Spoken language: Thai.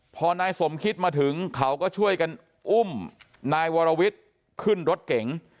พอนายสมคิดมาถึงเขาก็ช่วยกันอุ้มนายวรวิทย์ขึ้นรถเก๋ง